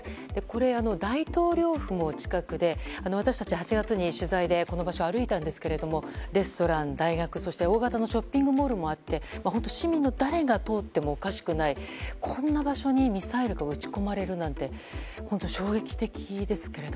これ、大統領府も近くで私たちは８月に取材でこの場所歩いたんですがレストラン、大学大型のショッピングモールもあり本当、市民の誰が通ってもおかしくないこんな場所にミサイルが撃ち込まれるなんて衝撃的ですね。